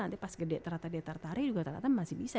nanti pas gede ternyata dia tertarik juga ternyata masih bisa